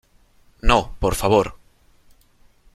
no , por favor .